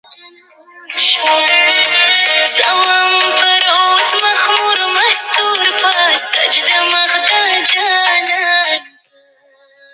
When others saw their resistance they joined in by protesting as well.